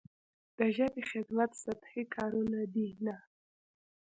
د ژبې خدمت سطحي کارونه دي نه.